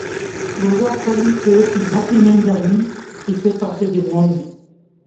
روزہ کھولی فیر ہمت ای نی لغنی کسے پاسے جلنے نی